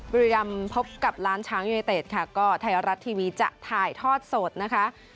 บุรีรำพบกับล้านช้างยูเนเต็ดค่ะก็ไทยรัฐทีวีจะถ่ายทอดสดนะคะ